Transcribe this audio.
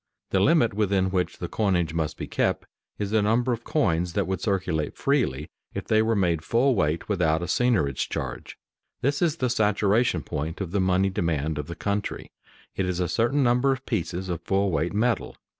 The limit within which the coinage must be kept is the number of coins that would circulate freely if they were made full weight without a seigniorage charge. This is the "saturation point" of the money demand of the country; it is a certain number of pieces of full weight metal.